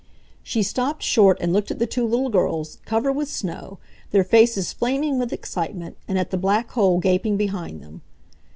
She stopped short and looked at the two little girls, covered with snow, their faces flaming with excitement, and at the black hole gaping behind them.